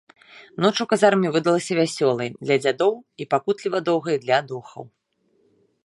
Ноч у казарме выдалася вясёлаю для дзядоў і пакутліва доўгаю для духаў.